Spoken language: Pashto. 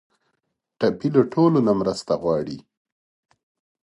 ټپي له ټولو نه مرسته غواړي.